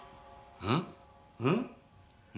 うん？